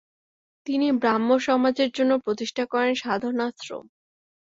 তিনি ব্রাহ্ম সমাজের জন্য প্রতিষ্ঠা করেন সাধনাশ্রম।